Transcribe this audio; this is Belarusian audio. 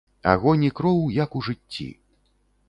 Агонь і кроў, як у жыцці.